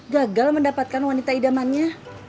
gagal mendapatkan wanita idamannya